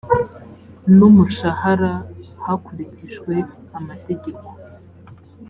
n umushahara hakurikijwe amategeko